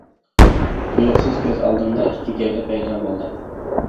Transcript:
تۇيۇقسىز كۆز ئالدىمدا ئىككى گەۋدە پەيدا بولدى.